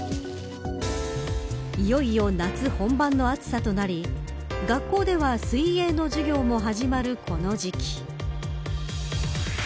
いよいよ夏本番の暑さとなり学校では水泳の授業も始まるこの時期。